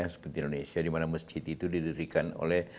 seperti indonesia dimana masjid itu didirikan oleh